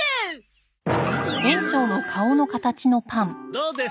どうです？